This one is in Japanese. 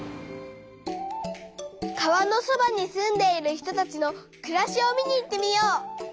川のそばに住んでいる人たちのくらしを見に行ってみよう。